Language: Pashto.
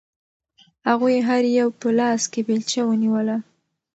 هغوی هر یو په لاس کې بیلچه ونیوله.